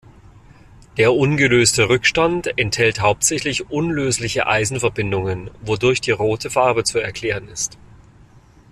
Der ungelöste Rückstand enthält hauptsächlich unlösliche Eisenverbindungen, wodurch die rote Farbe zu erklären ist.